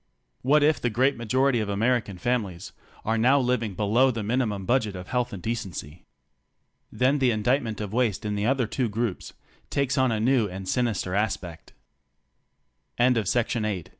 What if the great majority of American families are now living below the minimum budget of health and decency? Then the indictment of waste in the other two groups takes on a new and sinister aspect. IS THERE ENOUGH